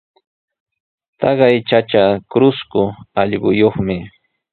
Taqay chacha trusku allquyuqmi.